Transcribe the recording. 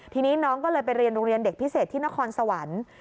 ทีนี้น้องก็เลยไปเรียนโรงเรียนเด็กพิเศษที่นครสวรรค์